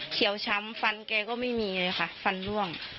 ช้ำฟันแกก็ไม่มีเลยค่ะฟันล่วง